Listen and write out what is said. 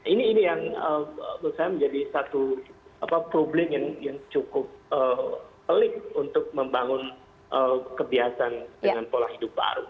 ini yang menurut saya menjadi satu problem yang cukup pelik untuk membangun kebiasaan dengan pola hidup baru